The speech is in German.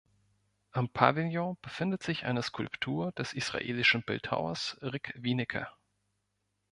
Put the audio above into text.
Am Pavillon befindet sich eine Skulptur des israelischen Bildhauers Rick Wienecke.